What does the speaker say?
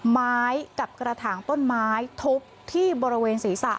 ไม้กับกระถางต้นไม้ทุบที่บริเวณศีรษะ